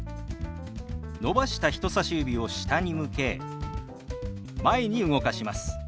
伸ばした人さし指を下に向け前に動かします。